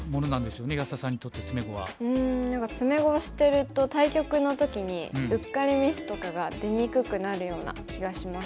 うん何か詰碁をしてると対局の時にうっかりミスとかが出にくくなるような気がします。